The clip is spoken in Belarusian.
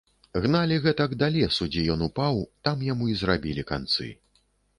Гналі гэтак да лесу, дзе ён упаў, там яму і зрабілі канцы.